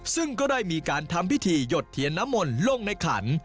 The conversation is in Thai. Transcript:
ซึ่งก็ได้มีการทำพิธีหยดเทียนน้ำมนต์ลงในขัน